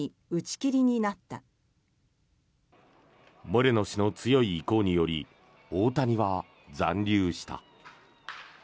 モレノ氏の強い意向により大谷は残留した。